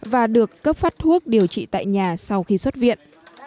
và được cấp phát thuốc điều trị tại nhà sau khi xuất viện